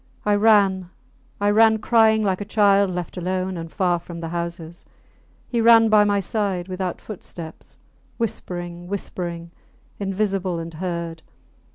I ran I ran crying like a child left alone and far from the houses. He ran by my side, without footsteps, whispering, whispering invisible and heard.